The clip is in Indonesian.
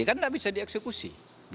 kan tidak bisa dieksekusi